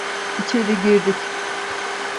İçeri girdik.